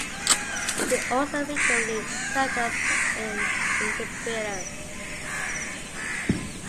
She also frequently served as an interpreter.